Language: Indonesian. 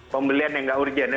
pembelian yang nggak urgent